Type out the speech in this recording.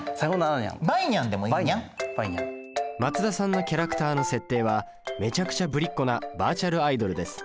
松田さんのキャラクターの設定はめちゃくちゃぶりっ子なバーチャルアイドルです。